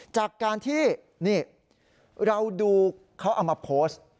จากการที่นี่เราดูเขาเอามาโพสต์